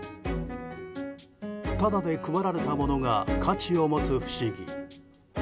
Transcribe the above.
タダで配られたものが価値を持つ不思議。